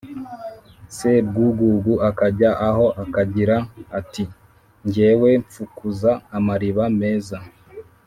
Sebwugugu akajya aho akagira ati: "Jyewe mfukuza amariba meza,